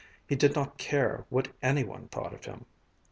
He did not care what any one thought of him.